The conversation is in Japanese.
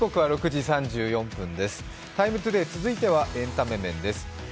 「ＴＩＭＥ，ＴＯＤＡＹ」続いては、エンタメ面です。